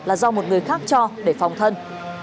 là do một người khác cho để phòng thân